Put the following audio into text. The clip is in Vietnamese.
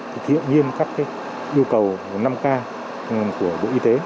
thì thiệu nhiên các yêu cầu năm k của bộ y tế